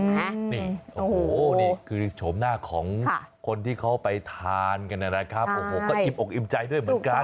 นี่โอ้โหนี่คือโฉมหน้าของคนที่เขาไปทานกันนะครับโอ้โหก็อิ่มอกอิ่มใจด้วยเหมือนกัน